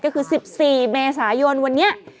ก็คือ๑๔เมษายนวันนี้